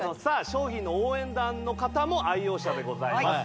商品の応援団の方も愛用者でございます